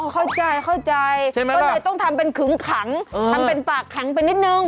อ๋อเข้าใจก็เลยต้องทำเป็นขึ้งขังทำเป็นปากแข็งไปนิดนึง